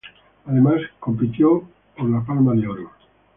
Además, compitió por la Palma de Oro.